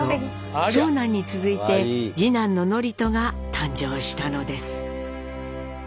長男に続いて次男の智人が誕生したのです。